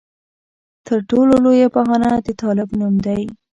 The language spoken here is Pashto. تر ټولو لویه بهانه د طالب نوم دی.